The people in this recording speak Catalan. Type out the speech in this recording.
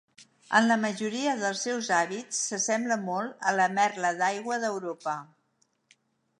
En la majoria dels seus hàbits, s'assembla molt a la merla d'aigua d'Europa.